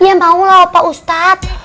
ya maulah opa ustadz